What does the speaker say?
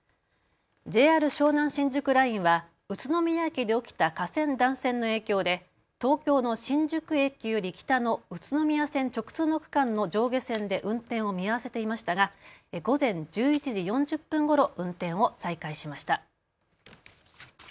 ＪＲ湘南新宿ラインは宇都宮駅で起きた架線断線の影響で東京の新宿駅より北の宇都宮線直通の区間の上下線で運転を見合わせていましたが午前１１時４０分ごろ運転を再開しました。